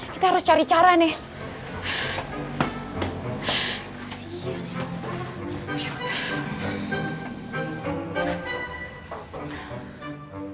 kita harus cari cara nih